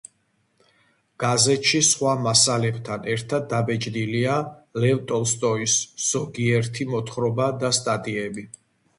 გაზეთში სხვა მასალებთან ერთად დაბეჭდილია ლევ ტოლსტოის ზოგიერთი მოთხრობა და სტატიები.